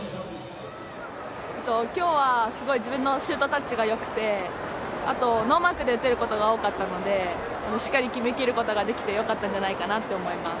今日は、すごい自分のシュートタッチがよくてあとノーマークで打てることが多かったので、しっかり決めきることができてよかったんじゃないかなと思います。